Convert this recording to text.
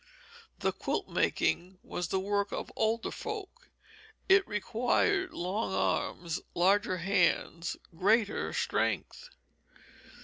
The quilt making was the work of older folk. It required long arms, larger hands, greater strength.